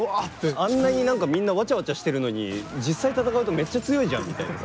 あんなに何かみんなわちゃわちゃしてるのに実際戦うとめっちゃ強いじゃんみたいなさ。